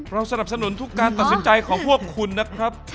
สนับสนุนทุกการตัดสินใจของพวกคุณนะครับ